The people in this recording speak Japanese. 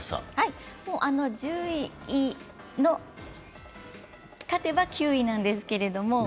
もう１０位の、勝てば９位なんですけど。